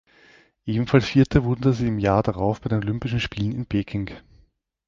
Ebenfalls Vierte wurde sie im Jahr darauf bei den Olympischen Spielen in Peking.